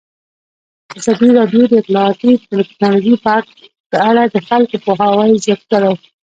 ازادي راډیو د اطلاعاتی تکنالوژي په اړه د خلکو پوهاوی زیات کړی.